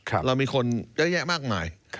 เรามีคนเยอะแยะมากมาย